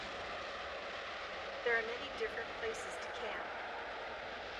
There are many different places to camp.